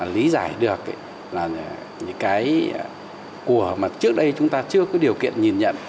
lý giải được là những cái của mà trước đây chúng ta chưa có điều kiện nhìn nhận